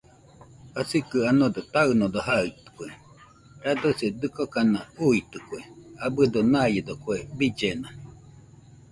Jasikɨ anado taɨnodo jaitɨkue , radosi dɨkokana uuitɨkue abɨdo naiedo kue billena